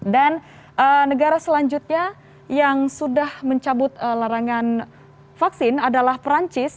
dan negara selanjutnya yang sudah mencabut larangan vaksin adalah perancis